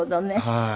はい。